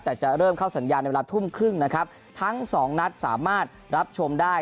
แต่จะเริ่มเข้าสัญญาณในเวลาทุ่มครึ่งนะครับทั้งสองนัดสามารถรับชมได้